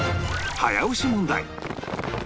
早押し問題